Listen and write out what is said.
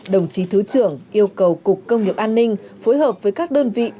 đồng chí thứ trưởng yêu cầu cục công nghiệp an ninh phối hợp với các đơn vị